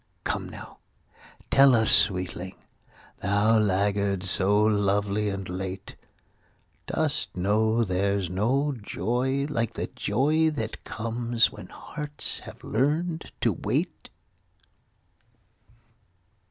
Come now tell us, sweeting, Thou laggard so lovely and late, Dost know there's no joy like the joy that comes When hearts have learned to wait?